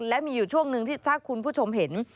และมีอยู่ช่วงหนึ่งที่ถ้าคุณผู้ชมเห็น